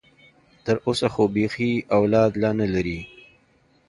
تر اوسه خو بيخي اولاد لا نه لري.